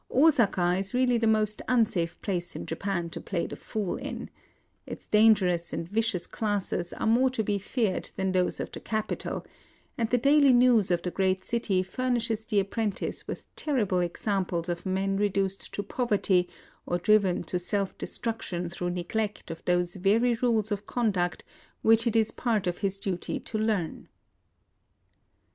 Osaka is really the most unsafe place in Japan to play the fool in; — its dangerous and vicious classes are more to be feared than those of the cap ital; and the daily news of the great city furnishes the apprentice with terrible exam ples of men reduced to poverty or driven to self destruction through neglect of those very rules of conduct which it is part of his duty to learn.